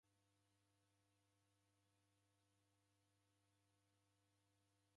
Kuramka naw'eenda marikonyi kishushe